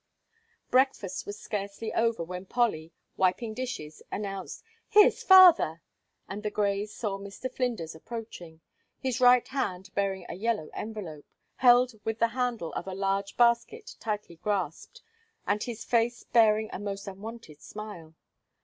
Breakfast was scarcely over, when Polly, wiping dishes, announced: "Here's father!" and the Greys saw Mr. Flinders approaching, his right hand bearing a yellow envelope, held with the handle of a large basket tightly grasped, and his face bearing a most unwonted smile.